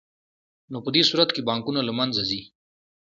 نو په دې صورت کې بانکونه له منځه ځي